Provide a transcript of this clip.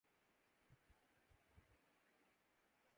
اس وقت بھی یہ اعتراض اٹھا تھاکہ یہ مذہب کا سوئ استعمال ہے۔